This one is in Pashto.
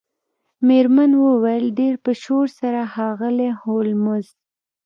میرمن وویل ډیر په شور سره ښاغلی هولمز